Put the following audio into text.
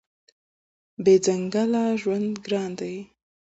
بې ځنګله ژوند ګران دی.